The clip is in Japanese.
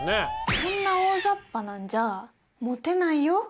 そんな大ざっぱなんじゃモテないよ？